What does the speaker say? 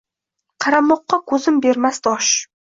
Qaramoqqa ko’zim bermas dosh.